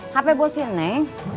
hp buat si neng